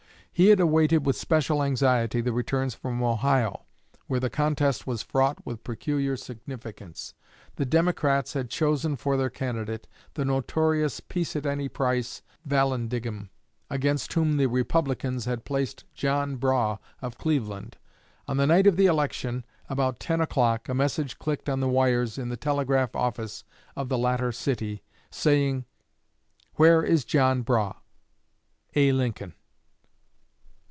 He had awaited with special anxiety the returns from Ohio, where the contest was fraught with peculiar significance. The Democrats had chosen for their candidate the notorious peace at any price Vallandigham, against whom the Republicans had placed John Brough of Cleveland. On the night of the election, about ten o'clock, a message clicked on the wires in the telegraph office of the latter city, saying, "Where is John Brough? A. Lincoln."